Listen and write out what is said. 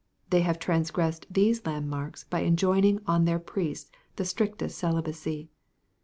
They have transgressed these landmarks by enjoining on their priests the strictest celibacy.